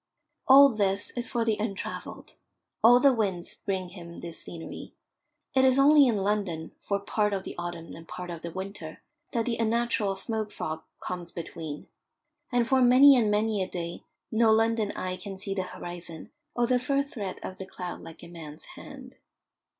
All this is for the untravelled. All the winds bring him this scenery. It is only in London, for part of the autumn and part of the winter, that the unnatural smoke fog comes between. And for many and many a day no London eye can see the horizon, or the first threat of the cloud like a man's hand.